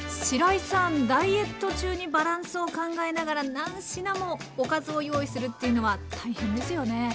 しらいさんダイエット中にバランスを考えながら何品もおかずを用意するっていうのは大変ですよね？